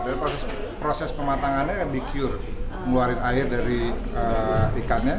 jadi proses pematangannya akan di cure mengeluarkan air dari ikannya